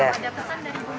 ada pesan dari ibu mega